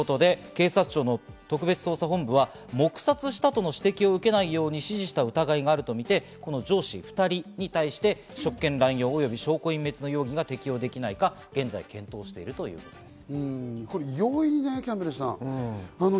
警察署の特別捜査本部は黙殺したとの指摘を受けないように指示した疑いがあるとみて、この上司２人に対して職権乱用および、証拠隠滅の容疑が適用できないか、現在検討しているということです。